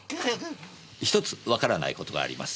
１つわからない事があります。